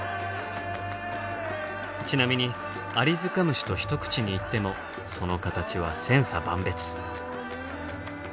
ちなみにアリヅカムシと一口に言ってもその形は千差万別。